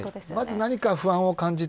何か不安を感じた